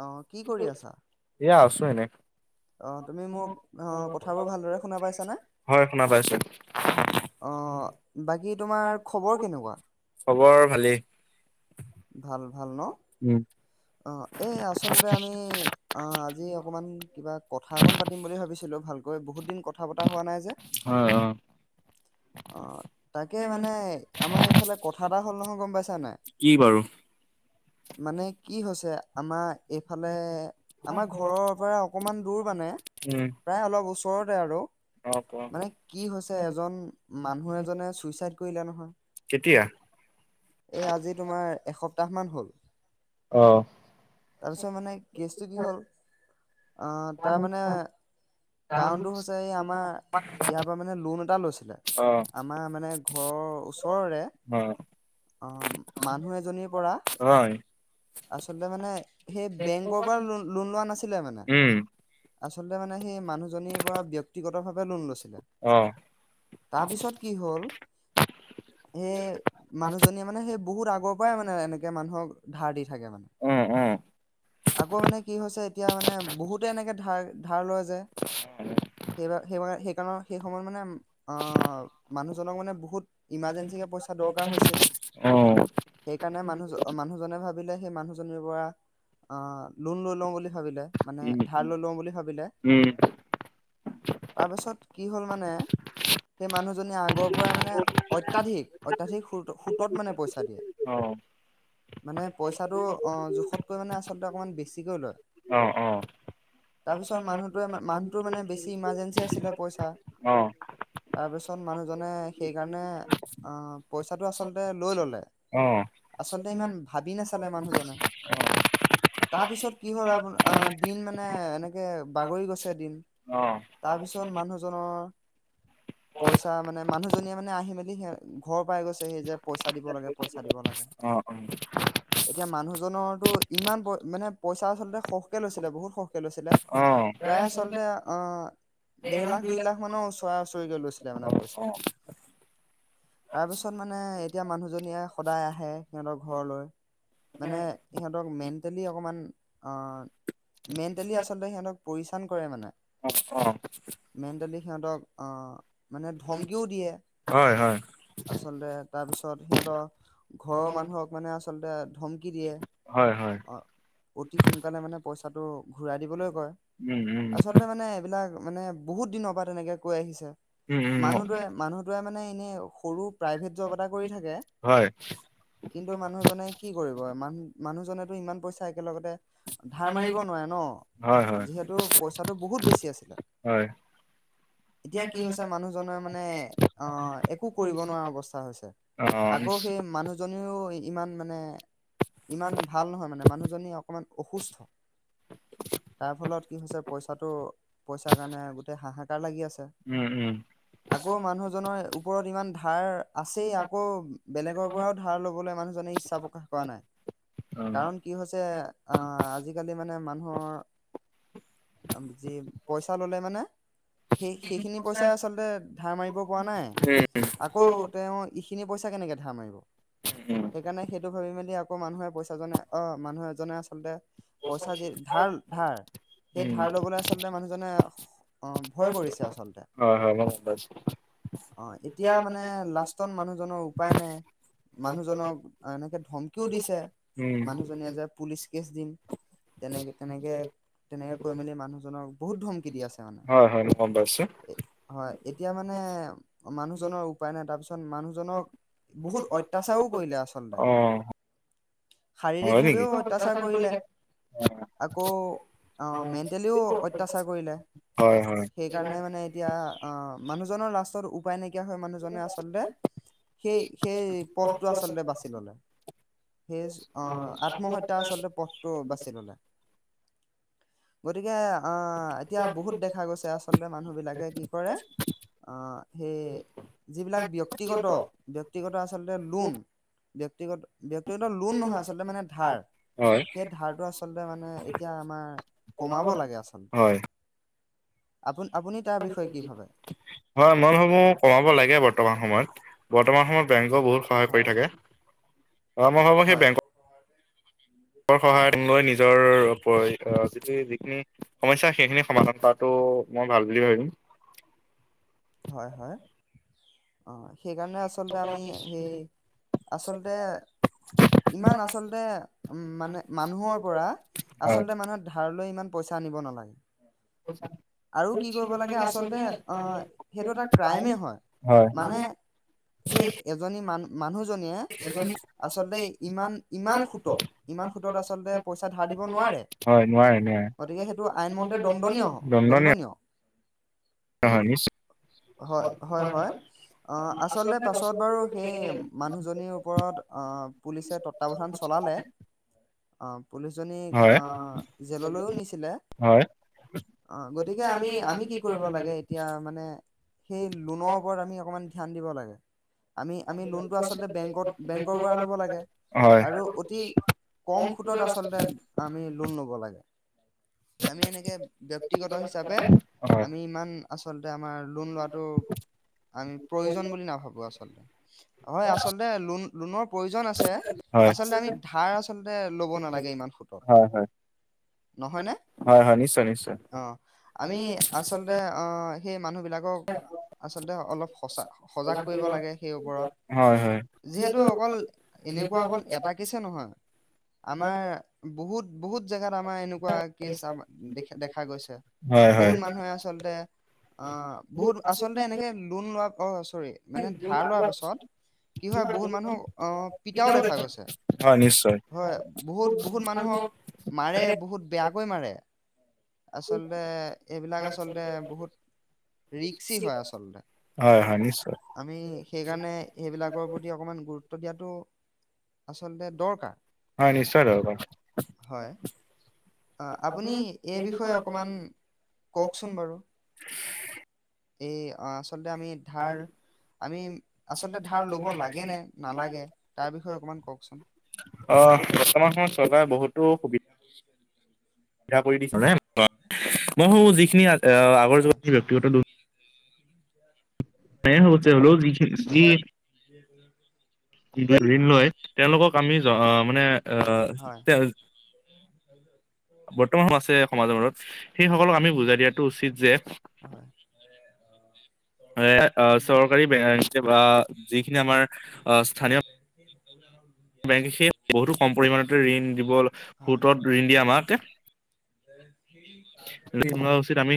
অ কি কৰি আছা সেয়া আছো এনে, অ তুমি মোক অ কথাবোৰ ভালদৰে শুনা পাইছানে হয়', শুনা পাই আছো। অ', বাকী তোমাৰ খবৰ কেনেকুৱা? খবৰ ভালেই। ভাল- ভাল ন', উম এ ', এই আচলতে আমি আহ', আজি অকমান কিবা কথা অকণ পাতিম বুলি ভাবিছিলো, ভালকৈ বহুত দিন কথা পতা হোৱা নাই যে', হয় অ। আহ তাকে মানে আমাৰ ইফালে কথা এটা হ'ল নহয়, গম পাইছা নাই? কি বাৰু? মানে? কি হৈছে? আমা, এইফালে আমাৰ ঘৰৰ পৰা অকণমান দূৰ মানে উম প্ৰায় অলপ ওচৰতে আৰু অ কোৱা। মানে কি হৈছে এজন ', -মানুহ-এজনে- ছুইচাইড কৰিলে নহয়, কেতিয়া? এই আজি তোমাৰ এসপ্তাহ তাহমাহ হ'ল, অ তাৰপিছত মানে কেচটো কি হ'ল', তাৰ মানে কাৰণটো হৈছে ', -এই আমাৰ ইয়াৰ পৰা মানে লোন এটা লৈছিলে অ আমাৰ মানে ঘৰৰ ওচৰৰে অ মানুহ এজনীৰ পৰা হয় আচলতে মানে, সেই বেংকৰ পৰা ল-লোন লোৱা নাছিলে মানে, উম। আচলতে মানে সেই মানুহজনীৰ পৰা ব্যক্তিগত ভাৱে লোন লৈছিল। অ তাৰপিছত কি হ'ল সেই মানুহজনীয়ে মানে সেই বহুত আগৰ পৰাই মানে এনেকে মানুহক ধাৰ দি অ অ আকৌ মানে কি হৈছে, এতিয়া মানে বহুতে এনেকে ধাৰ ধাৰ লোৱা যায়, সেইবা-সেইব সেই কাৰণ সেই সময়ত মানে, অ', মানুহজনক মানে বহুত ইমাৰৰ্জেঞ্চি কে পইচা দৰকাৰ হৈছিল অ সেইকাৰণে মানু- মানুহজনে ভাবি সেই মানুহজনীৰ পৰা আহ', লোন লৈ লওঁ বুলি ভাবিলে। মানে উম ধাৰ লৈ লও বুলি ভাবিলে। উম তাৰপিছত কি হ'ল মানে, সেই মানুহজনীয়ে আগৰ পৰাই মানে অত্যাধিক- অত্যাধিক সুত- সুতত মানে পইচা দিয়ে। অ'। মানে পইচাটো অ'- জোখতকৈ মানে আচলতে অকণমান বেছিকৈ লয়। অ'-অ'। তাৰপিছত মানুহটোৱে মানুহটোৰ মানে বেছি ইমাৰ্জেঞ্চি আছিলে অ'। ন মানুহজনে সেইকাৰণে অ'- পইচাটো আচলতে লৈ ল'লে। অ'। চালে মানুহজনে। তাৰপিছত কি হ'ল আপোনা- আ- দিন মানে, এনেকে বাগৰি গৈছে দিন। তাৰপিছত মানুহজনৰ পইচা মানে, মানুহজনীয়ে মানে আহি-মেলি সে- ঘৰ পাই গৈছেহি যে, পইচা দিব লাগে - পইচা দিব লাগে। অ অ এতিয়া মানুহজনৰতো ইমান প- মানে পইচা আচলতে সৰহকে লৈছিলে, বহুত সৰহকে লৈছিলে। প্ৰায় আচলতে অ'- ডেৰ লাখ - দুই লাখ মানৰ ওচৰা-ওচৰিকে লৈছিলে মানে পইচা। তাৰপিছত মানে, এতিয়া মানুহজনীয়ে সদায় আহে, সিহঁতৰ ঘৰলৈ। মানে সিহঁতক মেণ্টেলি অকমান অ'- মেণ্টেলি আচলতে সিহঁতক পৰেচান কৰে মানে। অ অ মেণ্টেলি সিহঁতক অ'- মানে ধমকিও দিয়ে। হয় - হয়। আচলতে তাৰপিছত সিহঁতৰ ঘৰৰ মানুহক মানে আচ আচলতে ধমকি দিয়ে। হয় হয় অ'- অতি সোনকালে মানে পইচাটো ঘূৰাই দিবলৈ কয়। উম উম আচলতে মানে এইবিলাক মানে বহুত দিনৰ পৰা তেনেকে কৈ আহিছে। উম উম মানুহটোৱে- মানুহটোৱে মানে এনে সৰু প্ৰাইভেট জ'ব এটা কৰি থাকে। হয় কিন্তু মানুহ সেই কি কৰিব ইমান মান মানুহজনেটো ইমান পইচা একেলগতে ধাৰ মাৰিব নোৱাৰে ন'। হয় হয় যিহেতু পইচাটো বহুত বেছি আছিলে। হয় এতিয়া কি হৈছে মানুহজনৰ মানে অ'- একো কৰিব নোৱাৰা অৱস্থা হৈছে। অ আকৌ সেই মানুহজনীও ইমান মানে ইমান ভাল নহয় মানে। মানুহ জনী অকমান অসুস্থ। তাৰ ফলত কি হৈছে, পইচাটো- পইচাৰ কাৰণে গোটেই হাহাকাৰ লাগি আছে। উম - উম। আকৌ মানুহজনৰ ওপৰত ইমান ধাৰ আছেই, আকৌ বেলেগৰ পৰাও ধাৰ ল'বলৈ মানুহ মানুহজনে ইচ্ছা প্ৰকাশ কৰা নাই। উম কাৰণ কি হৈছে, অ'- আজিকালি মানে মানুহৰ, উম- যি পইচা ল'লে মানে, সেই সেইখিনি পইচা আচলতে ধাৰ মাৰিব পৰা নাই। আকৌ তেওঁ ইখিনি পইচা কেনেকৈ ধাৰ মাৰিব? উম সেইকাৰণে সেইটো ভাবি-মেলি আ আকৌ মানুহে পইচাজনে- অ'- মানুহ এজনে আচলতে পইচা যি ধাৰ, ধাৰ। সেই উম, ধাৰ লবলে আচলতে মানুহজনে অ ভয় হয় কৰিছে আচলতে - হয়। মই গম পাইছোঁ। অ এতিয়া মানে লাষ্টত মানুহজনৰ আৰু [inaudible] এনেকে ধমকিও দিছে, মানুহজনীয়ে যে পুলিচ কেচ দিম। তেনেকে - তেনেকে, তেনেকে কৈ মেলি মানুহজনক বহুত ধমকি দি আছে মানে। হয়-হয় গম পাইছোঁ। হয় এতিয়া মানে অ মানুহজনৰ উপায় নাই তাৰ পিছত মানুহজনক বহুত অত্যাচাৰো কৰিলে আচল অহ শাৰীৰিক ভাৱেও অত্যাচাৰ কৰিলে, আকৌ মেণ্টেলিও অত্যাচাৰ কৰিলে। হয় হয় সেইকাৰণে মানে এতিয়া মানুহজনৰ লাষ্টত ওপা উপায় নাইকিয়া হৈ মানুহজনে আচলতে সেই-সেই পথটো আচলতে বাচি ললে সেই আহ, আত্মহত্যা আচলতে পথটো বাচি ললে। গতিকে আ এতিয়া বহুত দেখা গৈছে আচলতে মানুহবিলাকে কি কৰে সেই যিবিলাক ব্যক্তিগত, ব্যক্তিগত আচলতে লোন ব্যক্তিগত ব্যক্তিগত লোন নহয় আচলতে মানে ধাৰ। হয় সেই ধাৰটো আচলতে মানে এতিয়া আমাৰ কমাব লাগে আচল হয় আপুনি তাৰ বিষয়ে কি ভাবে? হয় মই ভাবো কমাব লাগে বৰ্তমান বৰ্তমান সময়ত, বৰ্তমান সময়ত বেং বহুত সহায় কৰি হয়, থাকে। অ মই ভাবো সেই হয়, বেংক ৰ সহায়ত লৈ নিজৰ ওপৰি আহ যদি যিখিনি সমস্যা সেইখিনি সমাধান কৰাটো মই ভাল বুলি ভাবিম। হয়-হয়, অহ সেইকাৰণে আচলতে আমি সেই আচলতে ইমান আচলতে মানে মানুহৰ পৰা হয় আচলতে মানুহে ধাৰলৈ ইমান পইচা আনিব নালাগে। আৰু কি কৰিব লাগে আচলতে আহ সেইটো এটা ক্ৰাইমে হয়, মানে সেই এজনী মান-মানুহ জনিয়ে আচলতে ই ইমান সোতত, ইমান সুতত আচলতে পইচা ধাৰ দিব নোৱাৰে গতিকে গতিকে সেইটো আইন আইনমতে মন্ত দণ্ডনীয়, দণ্ডনীয়-দণ্ডনীয় হয় হ নোৱৰে-নোৱাৰে দন্দনীয়। দণ্ডনীয়। হয় নিশ্চয়। হয়-হয়-হয় আচলতে পাছত বাৰু সেই মানুহজনীৰ ওপৰত পুলিচে তত্বাৱধান চলালে অ পুলিচ জনীক হয় আহ জেললৈও নিছিলে হয় অ গতিকে আমি আমি কি কৰিব লাগে এতিয়া মানে সেই লোনৰ ওপৰত আমি অকণমান ধ্যান দিব লাগে আমি আমি লোনটো আচলতে বেংকত বেংকৰ পৰা ল'ব লাগে হয় আৰু অতি কম সুতত আচলতে আমি লোন লব লাগে আমি এনেকে ব্যক্তিগত হিচাপে হয় আমি ইমান আচলতে আমাৰ লোণ লোৱাটো আমি প্ৰয়োজন বুলি নাভাবোঁ আচলতে হয় আচলতে লোণ লোণৰ প্ৰয়োজন আছে হয় আচলতে আমি ধাৰ আচলতে ল'ব নালাগে ইমান সোতত হয় হয় নহয়নে হয় হয় নিশ্চয় নিশ্চয় অ আমি আচলতে অ সেই মানুহিলাক আচলতে অলপ সচা সজাগ কৰিব লাগে সেই ওপৰত হয় হয় যিহেতু অকল এনেকুৱা অকল এটাকছে নহয় আমাৰ বহুত বহুত জেগাত আমাৰ এনেকুৱা কেছ দে দেখা গৈছে হয় বহুত হয় মানুহে আচলতে আহ বহুত আচলতে এনেকে লোণ লোৱাত অসচেতন চৰি মানে ধাৰ লোৱাৰ পাছত কি হয় বহুত মানুহক আহ পিতাও দেখা গৈছে হয় নিশ্চয় হয় বহুত বহুত মানুহক মাৰে বহুত বেয়াকৈ মাৰে আচলতে এইবিলাক আচলতে বহুত ৰিক্সি হয় আচলতে হয় হয় নিশ্চয় আমি সেইকাৰণে সেইবিলাকৰ প্ৰতি অকমান গুৰুত্ব দিয়াটো আচলতে দৰকাৰ হয় নিশ্চয় দৰকাৰ হয় অ আপুনি এই বিষয়ে অকমান কওকচোন বাৰু এ আ ধাৰ আচলতে ধাৰ ল'ব লাগে নে নালাগে তাৰ বিষয়ে অকমান কওকচোন অ বৰ্তমান সময়ত চৰকাৰে বহুতো সুবিধা সুবিধা কৰি দিছে মই ভাবো হয় যিখিনি আহ আগৰ হয় যুগত ব্যক্তিগত দুখ তেওঁলোক যি ঋণ তেওঁলোকক আমি মানে আহ হয় তেওঁ বৰ্তমান সমহ আছে সমাজৰ মৰত সেইসকলক আমি বুজাই দিয়াটো উচিত যে হয় অ আহ চৰকাৰী বা যিখিনি আমাৰ আহ স্থানীয় ত বেংকে সে বহুতো কম পৰিমমানতে ঋণ দিব হয় সোতত ঋণ দিয়ে আমাক ঋণ লোৱা হয় উচিত আমি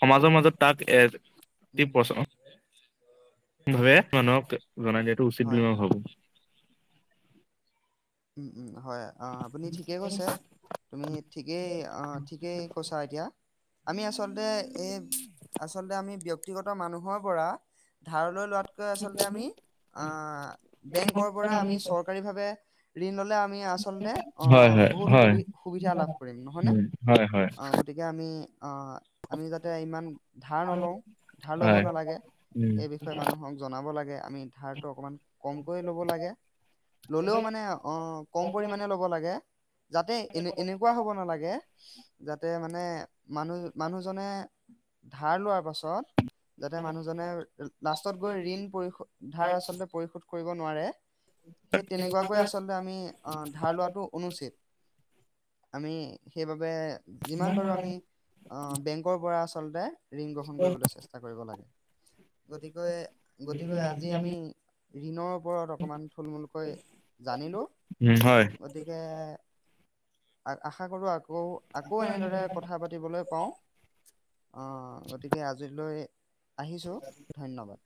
সমাজৰ মাজত তাক এ উম প্ৰচলন ভাবে মানুহক জনাই দিয়টো উচিত বুলি হয় মই হয় ভাবো উম উম হয় অ আপুনি ঠিকেই কৈছে তুমি ঠিকেই অ ঠিকেই কৈছা এতিয়া আমি আচলতে এই আচলতে আমি ব্য্ক্তিগত মানুহৰ পৰা ধাৰলৈ লোৱাত আচলতে আমি আহ বেংকৰ পৰা আমি চৰকাৰী ভাৱে ঋণ ললে আমি আচলতে অ হয় হয় বহুত হয় সুবি সুবিধা লাভ কৰিম নহয়নে? উম হয় হয় অ গতিকে আমি আমি যাতে ইমান ধাৰ নলওঁ, ধাৰ ল'ব হয় নালাগে, উম সেই বিষয়ে মানুহক জনাব লাগে আমি ধাৰটো অকণমান কমকৈ ল'ব লাগে। ল'লেও মানে অ', কম পৰিমাণে ল'ব লাগে। [unintelligible] যাতে, এনে- এনেকুৱা হ'ব নালাগে যাতে মানে, মানুহ-মানুহজনে ধাৰ লোৱাৰ পাছত যাতে মানুহজনে লাষ্টত গৈ ঋণ পৰিশোধ, ধাৰ আচলতে পৰিশোধ কৰিব নোৱাৰে সেই তেনেকুৱাকৈ আছ আচলতে আমি অহ', ধাৰ লোৱাটো অনুচিত। উম সেইবাবে যিমান পাৰোঁ আমি বেংকৰ পৰা চবে ঋণ গ্ৰহণ কৰিবলৈ চেষ্টা কৰিব লাগে। গতিকৈ-গতিকৈ আজি আমি ঋণক ওপৰত অকমান থুলমূুলকৈ জানিলোঁ, উম হয় গতিকে আশা কৰো আকৌ আকৌ-আকৌ এনেদৰে কথা পাতিবলৈ পাওঁ। অ', গতিকে আজিলৈ আহিছো ধন্যবাদ।